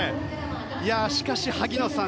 しかし、萩野さん